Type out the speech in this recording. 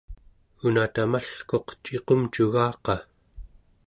una tamalkuq ciqumcugaqa